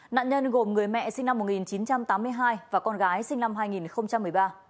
nạn nhân gồm người mẹ sinh năm một nghìn chín trăm tám mươi hai và con gái sinh năm hai nghìn một mươi ba